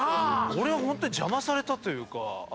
俺はホントに邪魔されたというか。